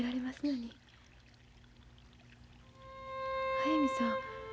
速水さん